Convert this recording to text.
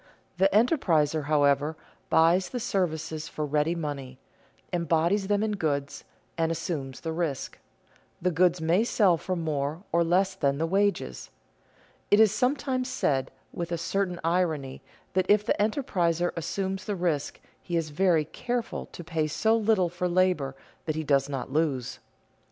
The enterpriser, however, buys the services for ready money, embodies them in goods, and assumes the risk; the goods may sell for more or less than the wages. It is sometimes said with a certain irony that if the enterpriser assumes the risk he is very careful to pay so little for labor that he does not lose.